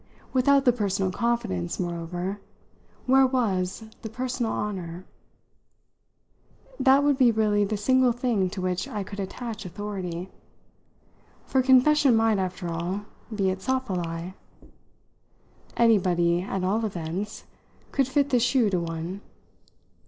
Without the personal confidence, moreover, where was the personal honour? That would be really the single thing to which I could attach authority, for a confession might, after all, be itself a lie. Anybody, at all events, could fit the shoe to one.